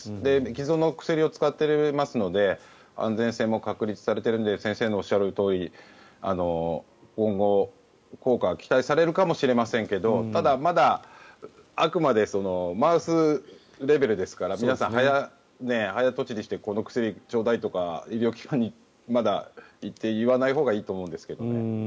既存の薬を使っていますので安全性も確立されているので先生のおっしゃるとおり今後、効果は期待されるかもしれませんがただ、まだあくまでマウスレベルですから皆さん、早とちりしてこの薬ちょうだいとか医療機関にまだ行って言わないほうがいいと思うんですけどね。